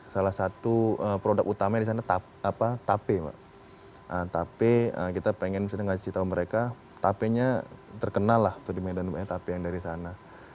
salah satu produk utama di sana tape kita pengen kasih tau mereka tape nya terkenal lah di medan yang dari sana